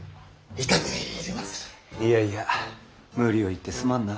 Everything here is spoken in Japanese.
いやいや無理を言ってすまんな。